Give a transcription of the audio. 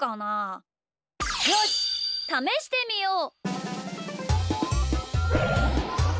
よしためしてみよう！